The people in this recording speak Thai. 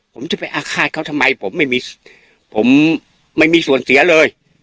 ผมจะไปอาฆาตเขาทำไมผมไม่มีผมไม่มีส่วนเสียเลย